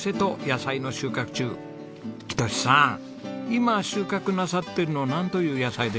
今収穫なさっているのはなんという野菜でしょうか？